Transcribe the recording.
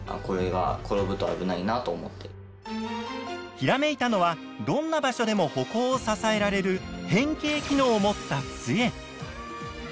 ひらめいたのはどんな場所でも歩行を支えられる変形機能を持ったつえ。